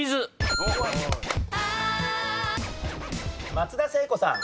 松田聖子さん。